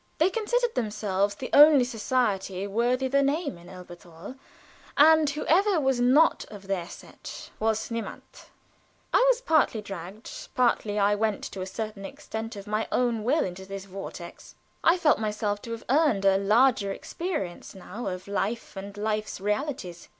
They considered themselves the only society worthy the name in Elberthal, and whoever was not of their set was niemand. I was partly dragged, partly I went to a certain extent of my own will, into this vortex. I felt myself to have earned a larger experience now of life and life's realities.